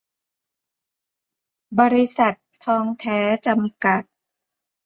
บริษัท ทองแท้ จำกัด